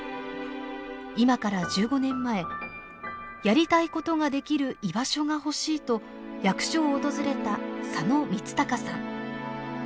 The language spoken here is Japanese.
今から１５年前やりたいことができる居場所が欲しいと役所を訪れた佐野光孝さん。